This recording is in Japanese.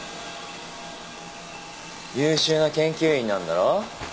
優秀な研究員なんだろ？